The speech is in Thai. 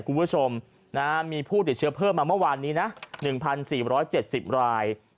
คุณผู้ชมมีผู้ติดเชื้อเพิ่มมาเมื่อวานนี้นะ๑๔๗๐ราย